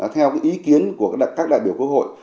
theo ý kiến của các đại biểu quốc hội